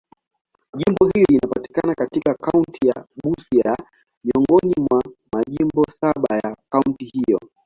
Jimbo hili linapatikana katika kaunti ya Busia, miongoni mwa majimbo saba ya kaunti hiyo.